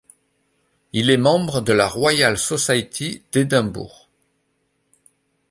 Il est membre de la Royal Society d'Édimbourg.